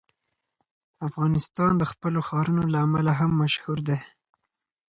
افغانستان د خپلو ښارونو له امله هم مشهور دی.